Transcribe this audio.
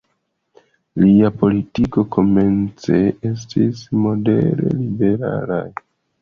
Lia politiko komence estis modere liberala.